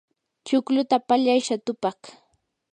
chuqluta pallay shatupaq.